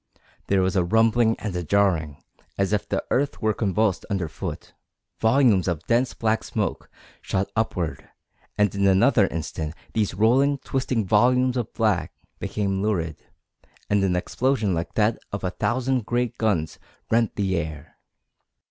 There was a rumbling and a jarring, as if the earth were convulsed under foot; volumes of dense black smoke shot upward, and in another instant these rolling, twisting volumes of black became lurid, and an explosion like that of a thousand great guns rent the air.